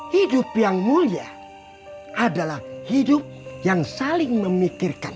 hidup yang mulia adalah hidup yang saling memikirkan